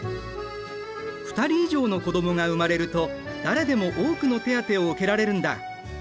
２人以上の子どもが産まれると誰でも多くの手当を受けられるんだ。